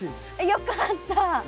よかった。